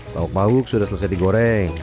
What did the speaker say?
lauk pauk sudah selesai digoreng